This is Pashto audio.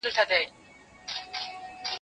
که دي نه وي زده ټول عمر دي تباه دی